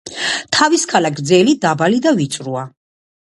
თავის ქალა გრძელი, დაბალი და ვიწროა.